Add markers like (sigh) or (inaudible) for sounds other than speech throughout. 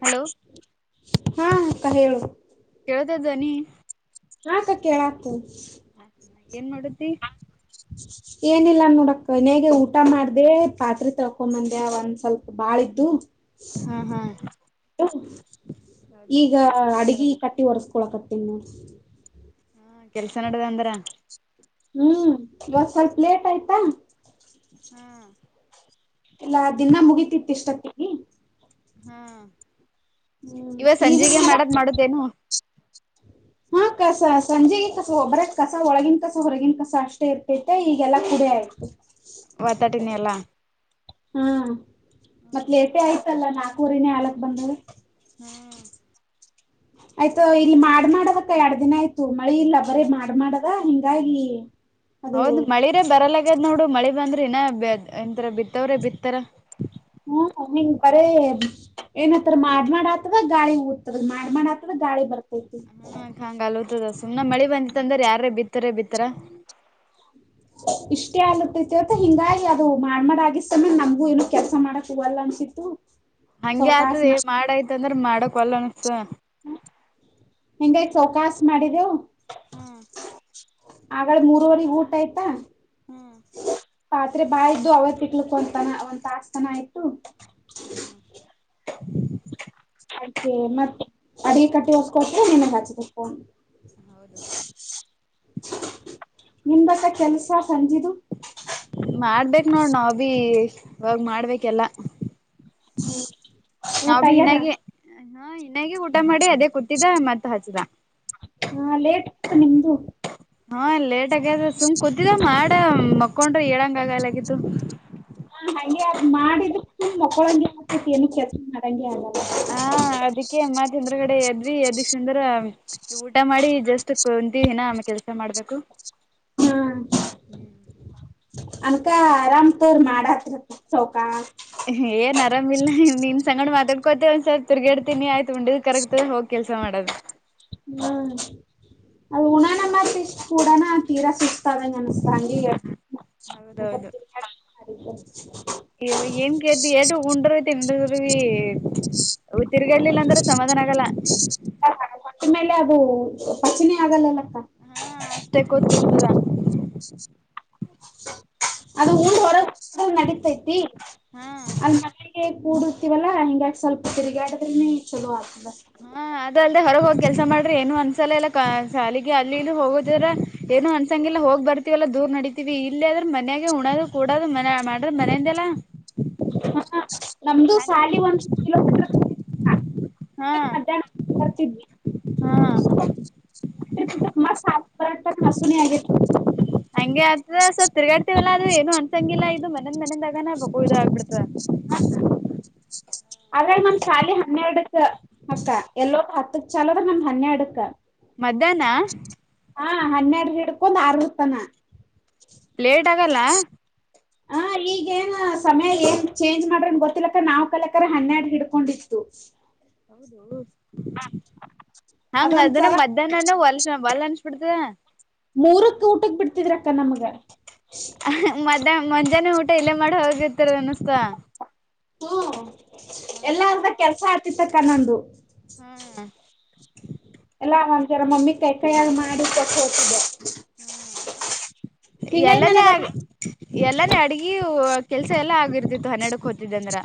Hello ಹಾ ಅಕ್ಕಾ ಹೇಳು ಕೇಳತದ್ದ ಧ್ವನಿ ಹಾ ಅಕ್ಕಾ ಕೆಳಾಕತ್ತೈತಿ ಹ್ಮ ಏನ್ ಮಾಡುತಿ (unintelligible) ಏನಿಲ್ಲ ನೋಡ ಅಕ್ಕ ಇನೇಗ ಊಟ ಮಾಡ್ದೆ ಪಾತ್ರೆ ತಳ್ಕೊಂಬಂದೆ ಒಂದ್ ಸ್ವಲ್ಪ ಬಾಳ್ದು ಹಾ ಹಾ ಹೌದು ಈಗ ಅ ಅಡಗಿ ಕಟ್ಟಿ ಒರ್ಸ್ಕೊಳಕತ್ತನ್ ನೋಡ ಹಾ ಕೆಲ್ಸ ನಡದ ಅಂದ್ರ ಹ್ಮ್ ಇವತ್ತು ಸ್ವಲ್ಪ ಲೇಟ್ ಆಯ್ತಾ ಹ್ಮ್ ಎಲ್ಲಾ ದಿನಾ ಮುಗಿತಿತ ಇಷ್ಟೊತ್ತಿಗಿ ಹ್ಮ ಇವತ್ ನೀವೇನ್ ಸಂಜೆಗೆ ಮಾಡದ್ ಮಾಡ ಮಾಡುದೇನು ಹಾ ಕಸ ಸಂಜೆೆಗೆ ಕಸ ಒಬ್ಬರ ಕಸ ಒಳಗನ್ ಕಸ ಹೊರಗನ್ ಕಸ ಅಷ್ಟೇ ಇರ್ತೈತೆ ಈಗೆಲ್ಲಾ ಕುಡೆ ಆಯ್ತು ಒತ್ತಾಟಿನಿ ಎಲ್ಲಾ ಹಾ ಮತ್ ಲೇಟೆ ಆಯ್ತಲ್ಲ ನಾಲ್ಕೂರಿನೇ ಆಗಲಕ್ ಬಂದದ್ ಹ್ಮ್ ಆಯ್ತಾ ಇಲ್ಲಿ ಮಾಡದಕ್ಕ ಎರಡ್ ದಿನ ಆಯ್ತು ಮಳಿ ಇಲ್ಲ ಬರೀ ಮಾಡ್ ಮಾಡದ ಹಿಂಗಾಗಿ ಅದು ಹೌದ್ ಮಳಿರೇ ಬರಲಗದ್ ನೋಡು ಮಳಿ ಬಂದ್ರಿ ಇನ್ನ ಎಂತರ ಬಿತ್ತವ್ರೆ ಬಿತ್ತಾರ ಹ್ಮ ನೀ ಹಿಂಗ್ ಬರೇ ಏನತ್ತರ ಮಾಡ್ ಮಾಡ ಆತ್ ಗಾಳಿ ಊ್ತದ ಮಾಡ್ ಆತ್ದ ಗಾಳಿ ಬರ್ತೈತಿ ಹಾ ಹಂಗ ಆಗಲತ್ದ ಸುಮ್ನೆ ಮಳಿ ಬಂದಿತ್ತ ಅಂದ್ರ ಯಾರೇ ಬಿತ್ತರೆ ಬಿತ್ತಾರ ಇಷ್ಟೇ ಆಲತೈತಿವತ್ತ ಹಿಂಗಾಗಿ ಅದು ಮಾಡ್ ಮಾಡ್ ಆಗಿಸ್ತೇ ನಮಗೂ ಏನ ಕೆಲ್ಸ ಮಾಡಕ್ ಒಲ್ಲ್ ಅನ್ಸ ಹ ಹಂಗೆ ಆತೆದ ಮಾಡ ಆಯ್ತಂದ್ರ ಮಾಡಕ್ ವಲ್ ಅನ್ಸತ್ತದ ಹಿಂಗಾಗಿ ಸವಕಾಸ ಮಾಡಿದ್ದೆವು ಹ್ಮ್ ಆಗಳೇ ಮೂರವರೆಗ ಊಟ ಆಯ್ತಾ ಹ್ಮ್ ಪಾತ್ರೆ ಬಾಯ ಇದ್ದು ಅವ್ರ ತಿಕ್ಲಕ್ ಒತನ ಒಂದ ತಾಸ್ತನ ಆಯ್ತು ಹ್ಮ್ ಹ್ಮ್ ಅದೆ ಮತ್ತೆ ಅಡಗೆ ಕಟ್ಟಿ ಒರೆಸಿ ಕೊಳಕರ ನಿನಗ ಹಚ್ಚಿದೆ ಫೋನ್ ಹೌದು. ನಿಮ್ಮದು ಆಯ್ತಾ ಕೆಲಸ ಸಂಜೀದು ಮಾಡ್ಬೇಕ ನೋಡ್ ನಾವ ಭೀಸ್ ಇವಾಗ ಮಾಡ್ಬೇಕೆಲ್ಲಾ. ಹು. ನಾವ ಭೀ ಇನಾಗೆ ಹ ಇನಾಗೆ ಊಟ ಮಾಡಿ ಅದೇ ಕೂತ ಹಾ ಲೇಟ್ ಆತ ನಿಮ್ದು ಹಾ ಲೇಟ್ ಆಗ್ಯಾದ ಸುಮ್ ಕೂತಿದ್ದ ಮಾಡ ಮಕ್ಕೊಂಡ್ರ ಏಳಂಗ ಆಗಲಗತ್ತು. ಹಾ ಹಂಗೆ ಅದ್ ಮಾಡಿದ್ರ ಸುಮ್ಮ್ ಮಕ್ಕೊಳಂಗೆ ಆಗ್ತೇತಿ ಏನು ಕೆಲಸ ಮಾಡಂಗೆ ಆಗಲ್ಲ. ಹಾ ಅದಿಕ್ಕೆ ಮತ ಎದರ್ಗಡೆ ಕಡೆ ಎದ್ವಿ ಅದಿಕ್ಷಂದ್ರ ಇಗ ಊಟ ಮಾಡಿ ಜಸ್ಟ್ ಕುಂತ ಇನ್ನ ಕೆಲ್ಸ ಮಾಡ್ಬೇಕು. ಹಾ ಹು ಅನ್ಕ ಆರಾಮ್ ತೋರ್ ಮಾಡತಂತ್ರ ಸೌಕಾಸ್. ಏನ್ ಅರಾಮ್ ಇಲ್ಲಾ ನಿನ್ನ ಸಂಗೊಂಡ್ ಮಾತಾಡ್ಕೋತ ಒಂದ್ಸಲ ತಿರ್ಗಾಡ್ತೀನಿ ಆಯ್ತು ಉಂಡಿದ್ ಕರಕ್ತ್ದ ಹೋಗಿ ಕೆಲ್ಸ ಮಾಡದು. ಹ ಅದು ಉಣಣ ಮತ್ತ ಇಸ್ ಕೂಡಾನ ತೀರಾ ಸ್ವಲ್ಪ. ತನಗೆ ಅನಿಸ್ತು ಹಂಗೆ ಹೌದೌದು ತಿರ್ಗಗ್ಯಾಡುಹಂಗಮಾಡಿದಿ. ಇವ ಏನ್ ಗೆದ್ದಿ ಎ ಉಂಡರಿ ತಿಂಡೀರಿವಿ. ಹು ತಿರ್ಗಾಡ್ಲಿಲ್ಲ ಅಂದ್ರೆ ಸಮಾಧಾನ ಆಗಲ್ಲ. ಪಿ ಹೈ ಹೊಟ್ಟಿ ಮೇಲೆ ಅದು ಪಚ್ಚಿನಿ ಆಗಲ್ಲಲ್ಲಕ್ಕ. ಹು ಅಷ್ಟೆ ಕೂತ್ಬಿಡ್ತದ. ಅದು ಉಂಡ ಹೊರಬಂದ್ರ ನಡತೈತಿ ಹಾ ಅದನ್ನ ಹಂಗ ಇಡು. ಹೇ ಕೂಡರ್ತಿವಲ್ಲಾ ಹಿಂಗಾಗಿ ಸ್ವಲ್ಪ ತಿರುಗಾಡದ್ರನೆ ಚಲೋ ಆಗ್ತದ. ಹ್ಹ. ಅದ ಅಲ್ಲದೆ ಹೊರಗೆ ಹೋಗಿ ಕೆಲಸ ಮಾಡ್ರಿ ಏನು ಅನ್ಸಲ್ಲಲ್ಲ ಶಾಲಿಗೆ ಅಲ್ಲಿ ಇಲ್ಲಿ ಹೋಗೋದ್ರ ಏನು ಅನ್ಸಂಗಿಲ್ಲ ಹೋಗ್ ಬರಿ. ತಿ ಎಲ್ಲ ದೂರ್ ನಡತಿವಿ ಇಲ್ಲೇ ಆದ್ರ ಮನೆಯಾಗ ಉಣೋದು ಕೂಡೋದು ಮನ್ಯಾಗ ಮಾಡ್ರ ಮನೆಯಿಂದೆಲ್ಲಾ. ಹು ಹು ನಮ್ಮದು ಹಂಗ ಸಾಲಿ ಒಂದ್ ಕಿಲೋಮೀಟರ್ ದೂರ ಐತಿವಾ. ಹ್ಹ ಅ. ಅಡ್ಡಾಡಿ ಬರ್ತಿದ್ವಿ ಹಅ. ಮಸ್ ಸತ್ತಬಾದ್ ಟಕ್ ಹಸುನೇ ಆಗೇತಿ. ಹಂಗೆ ಆಗತ್ತದ ಸ್ವಲ್ಪ ತಿರುಗಾಡ್ತಿವಲ್ಲ ಅಲ್ಲೇ ಏನು ಅನ್ಸಂಗಿಲ್ಲ ಇದು ಮನ್ಯಾದು ಮನ್ಯಾದುಅನ್ನನ ಬಗ್ಗು ಇದಾ ಆಗ್ಬಿಡ್ತ. (unintelligible) ಆದ್ರಲ್ಲಿ ಮತ್ತ ಶಾಲೆ ಹನ್ನೆರಡಕ್ಕ ಅಕ್ಕ ಎಲ್ಲೋದು ಹತ್ತಕ್ ಚಾಲದ ನಮ್ಮದು ಹನ್ನೆರಡಕ್ಕ. ಮಧ್ಯಾಹ್ನ ಹಾ ಹನ್ನೆರಡು ಹಿಡ್ಕೊಂದ್ ಆರತನಾ. ಲೇಟ್ ಆಗಲ್ಲ. ಹಾ ಈಗೇನ ಸಮಯ ಏನ್ ಚೇಂಜ್ ಮಾಡ್ರನ್ ಗೊತ್ತಿಲ್ಲಕ್ಕ ನಾವ್ ಕಲೀಬೇಕಾರಾ ಹನ್ನೆರಡ್ ಹಿಡ್ಕೊಂಡಿತ್ತು. ಹೌದು ಹಂಗ ಅದೊಂದ್ ಅದನ ಸಲಾ ಮಧ್ಯಾಹ್ನ. ಮಧ್ಯಾಹ್ನನ ವಲ್ಲಾ ವಲ್ಲಾ ಅನಿಸಿಬಿಟ್ತದ. ಮೂರಕ್ಕ ಊಟಕ್ ಬಿಡ್ತಿದ್ರ ಅಕ್ಕ ನಮ್ಮಗ. ಕ್ಷ ಮದ್ಯಾನ ಮಂಜಾನೆ ಊಟ ಇಲ್ಲೇ ಮಾಡ ಹೋಗಿರ್ತರ ಅನಿಸ್ತ. ಹು ಎಲ್ಲ ಹ್ಮ್ ಅರ್ಧ ಕೆಲ್ಸ ಆತಿತ್ತಕ್ಕ ನಂದು. ಹ್ಹ. ಎಲ್ಲಾ ಒಂದ ಜರ ಮಮ್ಮಿ ಕೈ ಕೈಯಾಗ ಮಾಡಿ ಕೊಟ್ಟ ಹೋಗತಿದ್ದ. ಹು ಎಲ್ಲಲ್ಲೇ ನನಗ ಆಗ. ಅದು ಎಲ್ಲಾನೇ ಅಡಗಿ ಕೆಲ್ಸ ಎಲ್ಲಾ ಆಗಿರ್ತಿತ್ತು ಹನ್ನೆರಡಕ್ ಹೋತಿದ್ದ ಅಂದ್ರ.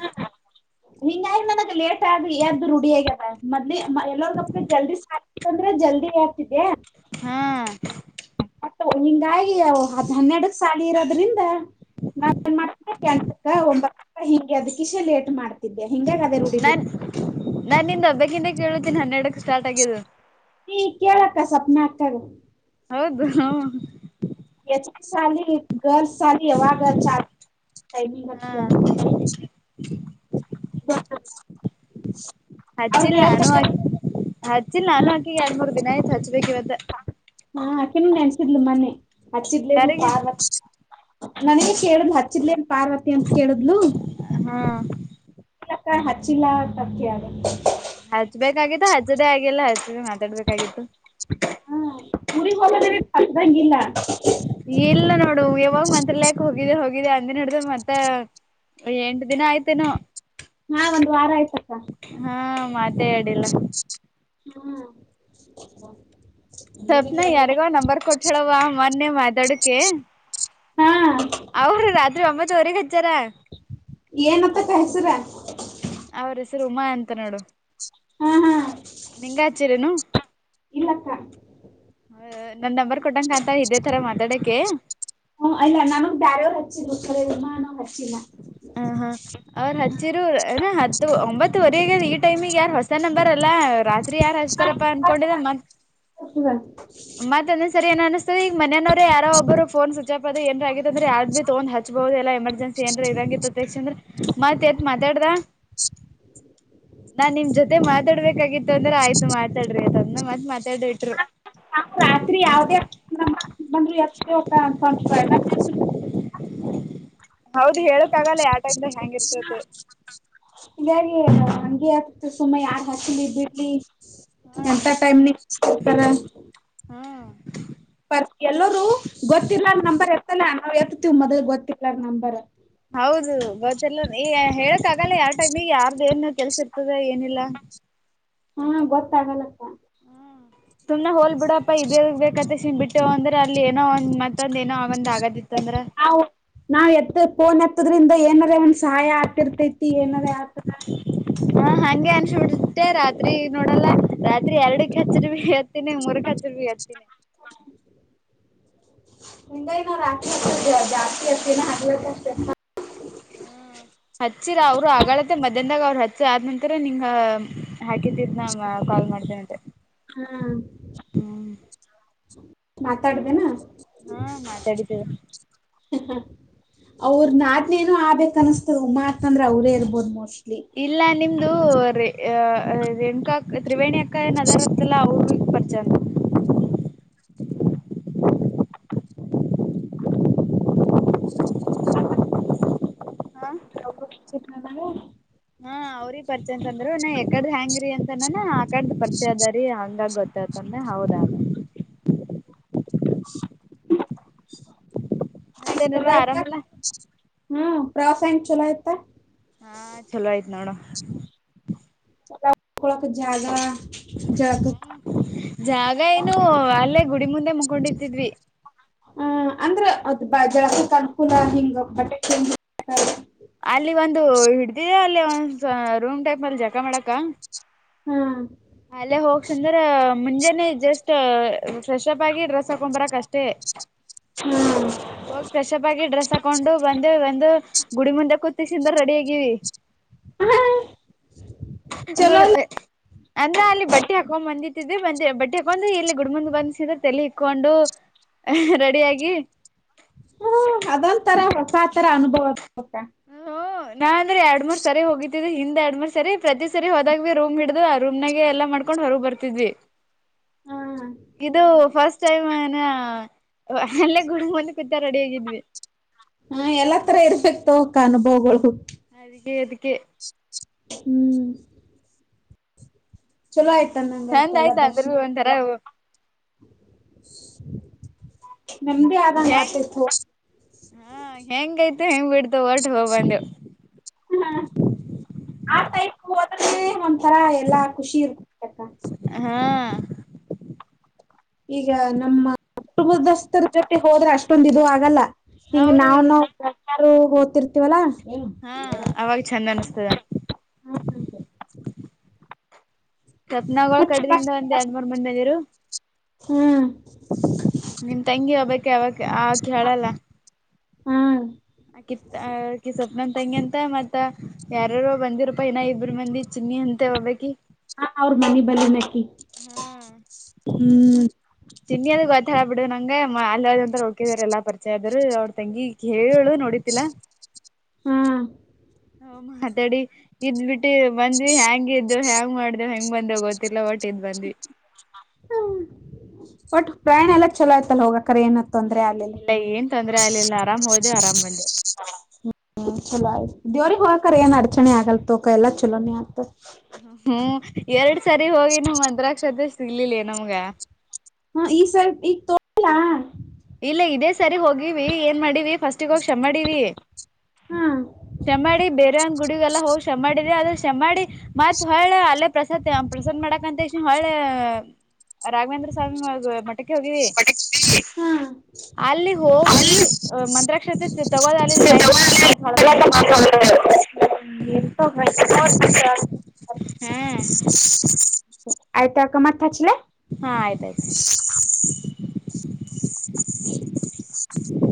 ಹಿಂಗ ಆ ಮನಗ ಲೇಟ್ ಆಗ ಎದ್ದು ರುಡಿ ಆಗ ಮದ್ಲಿ ಎಲ್ಲರ್ಗ ಜಲ್ದಿ ಅಂದ್ರೆ ಜಲ್ದಿ ಆಗ್ತಿದ್ಯಾ ಹಾ ಹಿಂಗಾಗಿ ಹದ್ ಹನ್ನೆರಡಕ್ ಸಾಲ ಇರೋದ್ರಿಂದ ನಾವ ನ್ ಮಾಡ್ಬೇಕ ಅಂತಕ್ಕ ಒಂಬತ್ತು ಹಿಂಗೆ ಅದಕಿಷೆ ಲೇಟ್ ಮಾಡ್ತ ನಾನ್ ನಾನಂದು ಹಬ್ಬಕ್ಕಿಂತ ಕೇಳುತ್ತೀನಿ ಹನ್ನೆರಡಕ್ ಸ್ಟಾರ್ಟ್ ಆಗು ಈ ಕೇಳಕ್ಕ ಸುಪ್ನಕ್ಕದು ಹೌದು ಹ ಯಚ್ಚ ಚಲ್ಲಿ ಗರ್ ಸಾರಿ ಹವಗ ಚಾರ್ ಟೈಮಿಂಗ ಹಾ ಹ ಬ ಹಚ್ಚಿಲ್ಲ ನಾನು ಹಚ್ಚಿಲ್ಲ ನಾನು ಅಕಿಗೆ ಎರಡ್ ಮೂರ್ ದಿನ ಆಯ್ತು ಹಚ್ಬೇಕು ಇವತ್ತ ಹಾ ಆಕೆನ ನೆನ್ಸಿದ್ಲು ಮನೆ ಹಚ್ಚಿದ್ಲೇನು ಯಾರಿಗೆ ಪಾರ್ ನನಗೆ ಕೇಳುದ್ ಹಚ್ಚಿರ್ಲಿ ಪಾರ್ವತಿ ಅಂತ ಕೇಳುದ್ಲು ಹಾ ಕ್ಕ ಹಚ್ಚಿಲ್ಲ ಕ್ಕೆ ಹಚ್ಬೇಕಾಗಿತ್ತು ಹಚ್ಚದೆೇ ಆಗಿಲ್ಲ ಹಚ್ಚಬೇಕ ಮಾತಾಡ್ಬೇಕಾಗಿತ್ತು ಹಾ ಊರಿಗ್ ಹೋದದ ಹಕ್ದಂಗಿಲ್ಲ ಇಲ್ಲ ನೋಡು ಯಾವಾಗ ಮಂತ್ರ ಲಯಾಕ್ ಹೋಗಿದ್ದ ಹೋಗಿದೆ ಅಂದ ನಡ್ದ ಮತ್ತೆ ಎಂಟು ದಿನ ಆಯ್ತೇನ ಹಾ ಒಂದು ವಾರ ಆಯ್ತಕ್ಕ ಹಾ ಮಾತೇ ಹೇಳಿಲ್ಲ ಹ್ಮ ಸ್ವಪ್ನ ಯಾರಿಗೋ ನಂಬರ್ ಕೊಟ್ಟಳವ ಮೊನ್ನೆ ಮೊಡ್ಕ ಹ್ಮ್ ಅವ್ರ ರಾತ್ರಿ ಒಂಬತ್ತುವರೆಗೆ ಹಜಚ್ಚಾರ ಏನತ್ತಕ್ಕೆ ಹೆಸರ ಅವ್ರ ಹೆಸರು ಉಮಾ ಎಂತ ನೋಡು ಹಾ ಹಾ ನಿಂಗಚರನು ಇಲ್ಲಕ್ಕ ನನ್ ನಂಬರ್ ಕೊಟ್ಟಂಕ ಅಂತ ಇದೇ ತರ ಮಾತಾಡಕ್ಕೆೆ ಹ್ಮ ಇಲ್ಲ ನನಗ್ ಬಾರೊರೋ ಹಚ್ಚಿದ ಕಮಾನು ಹಚ್ಚಿಲ್ಲ ಹ ಹಾ ಅವ್ರ ಹಚ್ಚಿರ ಏನ ಹತ್ತು ಒಂಬತ್ತುುವರೆ ಆಗದ್ ಈ ಟೈಮಿಗೆ ಯಾರ ಹೊಸ ನಂಬರ್ ಅಲ್ಲ ರಾತ್ರಿ ಸ್ತ್ರಿ ಯಾರು ಹಸ್ತಾರಪ್ಪ ಅನ್ಕೊಂಡಿದ ಮ ಸ ಬ ಮತ್ತಂದ ಸರಿ ಏನ್ ಅನಸ್ತದೆ ಈ ಮನೆಯನವರ ಯಾರೋ ಒಬ್ಬರನ್ ಅಸ ಪ ಏರ ಆಗ ಅ್ರಯ್ದ ಭಿ ತಗ್ ಹಚ್ಬಹುದು ಎಮರ್ಜನ್ಸಿ ಏನ್ ಇದಾಗಿರ್ತ್ತ ತಕ್ಷ ಅಂದೆ ಮತ್ ಎತ್ ಮಾತಾಡ್ದ (inaudible) ನಾನ್ ನಿಮ್ ಜೊತೆ ಮಾತಾಡ್ಬೇಕಾಗಿತ್ತು ಅಂದ್ರೆ ಆಯ್ತು ಮಾತಾರಿ ಆಯ್ತದನ್ನ ಮತ್ ಮಾತಾಡ್ ಇಟ್ರು ನಾವು ರಾತ್ರಿ ಯಾವದೇ ಬಂದರು ಎ ಹೌದು ಹೇಳಕ್ಕ ಆಗಲ್ಲ ಯಾವ ಟೈ ನಾಗ ಹೆಂಗ ಇರ್ತತಿ ಅಂತ ಹೇಳ ಹಾಗಿೆ ಹಂಗೆ ಸುಮ್ಮ ಯಾರ್ ಹಾಚಲಿ ಬಿಡ್ಲಿ ಎಂತ ಹ್ಮ್ ಟೈಮ ನಿರ ಹಾಂ (unintelligible) ಹೌದು ಗೊತ್ತಿಲ್ಲಲ್ಲ ಹೇಳಕ್ ಆಯಾಗಲ್ಲ ಯಾವ ಟೈಮಿಗೆ ಯಾರ್ದ ಏನು ಕೆಲ್ಸ ಇರ್ತದ ಏನಿಲ್ಲಾ ಆ ಹಾ ಗೊತ್ತಾಗಲಕ್ಕ ಹ್ಮ್ ಸುಮ್ನೆ ಹೋಲ್ ಬಿಡಪ್ಪಾ ಇದೇ ಬೇಕತ್ತ ಶ ಬಿಟ್ಟ್ ಇ ಅಂದ್ರೆ ಅಲ್ಲಿ ಏನೋ ಒಂದ್ ಮತ್ತೊಂದ ಏನೋ ಒಂದ್ ಆಗದಿತ್ತಂದ್ರ ನಾ ನಾವ್ ಎತ್ತ ಫೋನ್ ಎತ್ತದ್ರಿಂದ ಏನಾರೆ ಒಂದ್ ಸಹಾಯ ಆತಿರ್ತೈತಿ ಏನಾರೇ ಆ ಹಾ ಹಂಗೆ ಅನ್ಸಬಿಡ್ತೇ ರಾತ್ರಿ ನೋಡಲ್ಲ ರಾತ್ರಿ ಎರಡಕಚ್ಚರಿ ಬಿ ತಿನ ಮೂರಕಚ್ಚರ ಬಿ ಎತ್ತಿನಿ. ಹಂಗಾಗಿ ನಾವ್ ರಾತ್ರಿ ಅ ಜಾಸ್ತಿ ಅಚ್ತೇನ ಹಗಲತ್ತ್ ಅಷ್ಟೇ ಹ್ಮ್ ಹಚ್ಚಿರ ಅವರು ಅಗಳತೆ ಮದ ಅಂದಾಗ ಅವ್ರ ಹಚ್ಚ ಆದ ನಂತರ ನಿಂಗ ಹಾಕಿದ್ದಿದ ನ ಕಾಲ್ ಮಾಡ್ತೇನಂತೆ ಹಾ ಮಾತಾಡ್ದೇನಾ ಹಾ ಮಾತಾಡಿದ್ದೇವೆ ಅ ಹ ಅವ್ರ ನಾದ್ನಿನು ಆಬೇಕ್ ಅನಿಸ್ತದ ಉಮ್ಮಾ ಅತ್ಂದ್ರೆ ಅವರೇ ಇರ್ಬೋದು ಮೋಸ್ಟ್ಲಿ. ಇಲ್ಲ ನಿಮ್ದು ರೆ ಅ ಅ ರೇಣುಕಾಅಕ್ ತ್ರಿವೇಣಿ ಅಕ್ಕ ಏನ್ ಅದರ ಅತ್ತಲ್ಲ ಅವರು ಬರ್ತ ಚನ್ನ (inaudible) ಚೆ (unintelligible) ಹ ಅವರಿಗಿ ಪರಿಚಯ ಅಂತಂದ್ರು ಇನ್ನ ಎಕ್ ಇಕಡ್ದ ಹ್ಯಾಂಗ್ರೀ ಅಂತನಾನ ಆ ಕಡ್ದ ಪರಿಚಯ ಅದಾರಿ ಹಂಗಾಗಿ ಗೊತ್ತಾತಂದೆ ಹೌದ ಚಲೋ ಮತ್ತೇನಡ್ದ ಆಯ್ತ ಆರಾಮಲ್ಲ ಹ್ಮ್ ಪ್ರವಾಸ ಎಂಗ್ ಚಲೋ ಆಯ್ತಾ. ಹಾ ಚಲೋ ಆಯ್ತ್ ನೋಡು. (unintelligible) ಳಕ ಜಾಗ ಜಾಗ ಜಾಗ ಏನು ಅಲ್ಲೇ ಗುಡಿ ಮುಂದೆ ಮುಕೊಂಡಿತಿದ್ವಿ. ಹ ಅಂದ್ರೆ ಅದ್ ಬ ಜಳಕಕ ಅನುಕೂಲ ಹಿಂಗ ಬಟ್ಟೆ ಹಾ ಅಲ್ಲಿ ಒಂದು ಹಿಡ್ದಿದೆ ಅಲ್ಲಿ ಒಂದಸ ರೂಮ್ ಟೈಪ್ ಅಲ್ಲಿ ಜಕ ಮಾಡಕ. ಹ್ಮ್ ಅಲ್ಲೇ ಹೋಗ್ಸಂದ್ರ ಮುಂಜೆನೇ ಜಸ್ಟ್ ಫ್ರೆಶ್ ಅಪ್ ಆಗಿ ಡ್ರೆಸ್ ಹಾಕೊಂಡ್ ಬರಕ್ ಅಷ್ಟ್ ಟೇ ಹ್ಮ್ ಹೋಗಿ ಫ್ರೆಶ್ಅಪ್ ಆಗಿ ಡ್ರೆಸ್ ಹಾಕೊಂಡು ಬಂದೇ ಒಂದು ಗುಡಿ ಮುಂದೆ ಕುತಿಸಿಂದ ರೆಡಿ ಆಗಿವಿ. ಹಾ ಚಲೋ ಇಲ್ಲ (unintelligible) ಅಂದ ಅಲ್ಲಿ ಬಟ್ಟೆ ಹಾಕೊಂಡ್ ಬಂದಿದ್ವಿ ಬಂದ ಬಟ್ಟಿ ಹಾಕೊಂಡು ಇಲ್ಲಿ ಗುಡ ಮುಂದ ಬಂದಸಿದ ತೆಲೆ ಇಕ್ಕೊಂಡು ಹ ರೆಡಿಯಾಗಿ ಹ್ಮ್ ಅದೊಂತರ ಹೊಸಾ ತರ ಅನುಭವ ಕೊಡತ್ತ. ಹ ಹೋ ನಾ ಅಂದ್ರೆ ಎರಡ್ ಮೂರ್ ಸರಿ ಹೋಗಿದ್ದ್ ಹಿಂದ್ ಎರಡ್ ಮೂರ್ ಸರಿ ಪ್ರತಿ ಸರಿ ಹೋದಾಗ ಬಿ ರೂಮ್ ಹಿಡ್ದ ಆ ರೂಮ್ನಾಗ ಎಲ್ಲಾ ಮಾಡ್ ರಕೊಂಡ್ ಹೋಗಿ ಬರ್ತಿದ್ವಿ. ಹ್ಮ್ ಇದು ಫಸ್ಟ್ ಟೈಮ್ ನ ಅಲ್ಲೇ ಗುಡಿ ಮುಂದ ಕುತ ರೆಡಿಯಾಗಿದ್ವಿ. ಹಾ ಎಲ್ಲಾ ತರ ಇರ್ಬೇಕ್ ತೋಕ್ಕ ಅನುಭವಗಳು. ಅದಿಕ್ಕೆ ಅದಿಕ್ಕೆ. ಹ್ಮ್ ಚಲೋ ಆಯತ ಅಂನಂಗಾಯ್ತಲ್ಲ ದರ್ಶನ ಅ ನಮಗೇ ಹೆಂಗ ಆದಂಗಾತೈತ್ ನೋ ಹಾ ಹೆಂಗಯ್ತು ಹೆಂಗ್ ಬಿಡ್ತ ಹೊರ್ಟ ಹೋಗ್ ಬಂದೆವು. ಆ ಟೈಪ್ ಹೋದ್ರೆ ಒಂಥರಾ ಎಲ್ಲಾ ಖುಷಿ ಇರ್ತಕ್ಕ ಹಾ ಈಗ ನಮ್ಮ ಕುಟುಂಬದಸ್ಥರ ಜೊತೆ ಹೋದ್ರೆ ಅಷ್ಟೊಂದ ಇದು ಆಗಲ್ಲ ಹಿಂಗ ಹೌದು ನಾವ್ ನ ಓತಿರ್ತಿವಲ್ಲಾ ಹಾ ಅವಾಗ ಚಂದ್ ಅನಿಸಸ್ತದ ಹ್ಮ ಹ್ಮ ತಪ್ನಗಳು ಕಡದಿಂದ ಒಂದ್ ಎರಡ್ ಮೂರ್ ಮಂದಿ ಮಂದಿರು ಹ್ಮ್ ನಿಮ ತಂಗಿ ಹೋಗಬಕ್ಕೆ ಅವಕ ಆ ಹೇಳಲ್ಲ ಹಾ ಆ ಕಿತ್ ಆ ಕಿ ಸ್ವಪ್ನಂ ತಂಗಿ ಅಂತ ಮತ್ತೆ ಮತ್ತ ಯಾರಾರ ಬಂದಿರ ಪ ನ ಇಬ್ಬರು ಮಂದಿ ಚಿನ್ನಿ ಅಂತೆ ಹೋಗ್ಕಿ ಹಾ ಅವ್ರ ಮನೆ ಬಲ್ಲನಕ್ಕಿ ಹ್ಮ್ ಚಿನ್ನಿದ ಗೊತ್ತಾ ಹ ಬಿಡ ನಂಗೆ ಅಲ್ಲಿ ಒಂತರ ಹೋಗಿದ್ರ ಎಲ್ಲಾ ಬರ್ತ ಚಾದ್ರ ಅವ್ರ ತಂಗಿ ಹೇಳು ನೋಡಿತಿಲ್ಲಾ ಹಾ ಹ ಮಾತಾಡಿ ಇದ್ ಬಿಟ್ಟು ಬಂದ್ವಿ ಹೆಯಾಂಗ ಇದ್ದು ಹೆ್ಯಾಂಗ್ ಮಾಡ್ದ ಹೆಂಗ್ ಬಂದ ಗೊತ್ತಿಲ್ಲ ಒಟ್ಟ ಹ ಒಟ್ ಪ್ರಯಾಣ ಎಲ್ಲ ಚಲೋ ಆಯ್ತಲ್ಲ ಹೋಗ ಕರೆ ಏನತ ತೊಂದರೆ ಆಲ್ಲ ಇಲ್ಲ ಏನ್ ತೊಂದ್ರೆ ಆಗ್ಲಿಲ್ಲ ಆರಾಮ್ ಹೋದೆವ್ ಆರಾಮ್ ಬಂದೆವ್ ಹ್ಮ್ ಚಲೋ ಆಯ್ತು ದೇವ್ರಗ್ ಹೋಗಕ್ರ ಏನ್ ಅಡಚಣೆ ಆಗಲ್ತ್ಕ ಎಲ್ಲಾ ಚಲೋನೇ ಆಗ್ತ ಹ್ಮ್ ಎರಡ್ ಸರಿ ಹೋಗಿ ನೀ ಮಂಕ್ಷತೆ ಸಿಗ್ಲಲಿ ನಮ್ಗ ಹ ಈ ಸರ್ ಈಗ ತೋಳಲಾ ಇಲ್ಲ ಇದೇ ಸರಿ ಹೋಗಿವಿ ಏನ್ ಮಾಡೀವ ಫಸ್ಟಗ ಹೋಗಿ ಕ್ಷಮ ಮಾಡಾವಿ ಹಾ ಶಮ ಮಾಡಿ ಬೇರೆ ಒಂದಂದು ಗುಡಿಗೆಲ್ಲ ಹೋಗಿ ಶಮ ಮಾಡಿದೆ ಆದರೆ ಶಮ ಮಾಡಿ ಮತ್ ಹೊಳ ಅಲ್ಲೇ ಪ್ರಸಾದ ಪ್ರಸಾದ್ ಮಾಡಕಂತ ತಕ್ಷಣ ಹೊಳೆ ರಾಘವೇಂದ್ರ ಸ್ವಾಮಿ ಮಠಕ್ಕೆ ಹೋಗಿವಿ ಹ್ಮ ಅಲ್ಲಿ ಹೋಗಿ ಮಂತ್ರಾಕ್ಷತೆ ತಗೋದ ಅಲ್ಲಿ ಟೈಮ್ ಅಲ್ಲ ಅಂತ ಮಾತ ಹೊಳ ಬಂದೆವು ಹ (unintelligible) (inaudible) ಆಯ್ತಾಕ ಮತ್ತ ಚಲೆ ಹಾ ಆಯ್ತಾಯಯ್ತು ಹ